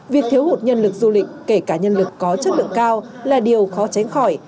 việc thiếu hụt nhân lực du lịch kể cả nhân lực có chất lượng cao là điều khó tránh khỏi